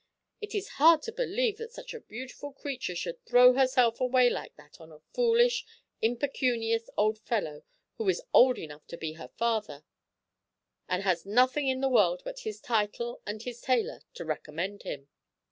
It is hard to believe that such a beautiful creature should throw herself away like that on a foolish, impecunious old fellow who is old enough to be her father, and has nothing in the world but his title and his tailor to recommend him.